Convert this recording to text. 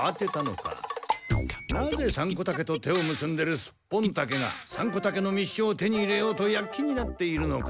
なぜサンコタケと手をむすんでいるスッポンタケがサンコタケの密書を手に入れようとやっきになっているのか。